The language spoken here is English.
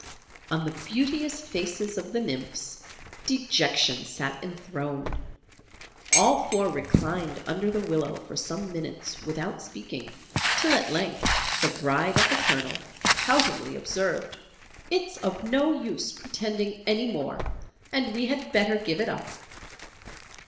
On the beauteous faces of the Nymphs, dejection sat enthroned. All four reclined under the willow for some minutes without speaking, till at length the bride of the Colonel poutingly observed, "It's of no use pretending any more, and we had better give it up."